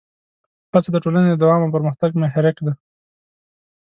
هڅه د ټولنې د دوام او پرمختګ محرک ده.